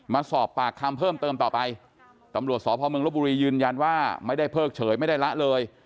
มาสอบปากคำเพิ่มเติมต่อไปตำรวจสพเมืองลบบุรียืนยันว่าไม่ได้เพิกเฉยไม่ได้ละเลย